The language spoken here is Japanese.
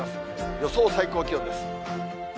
予想最高気温です。